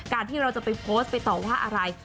การที่เราจะไปโพสต์ไปต่อว่าอะไร